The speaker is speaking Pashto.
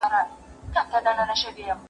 ولي لېواله انسان د مخکښ سړي په پرتله ښه ځلېږي؟